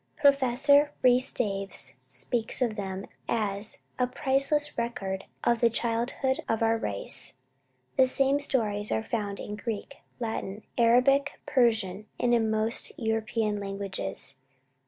Professor Rhys Davids speaks of them as "a priceless record of the childhood of our race. The same stories are found in Greek, Latin, Arabic, Persian, and in most European languages.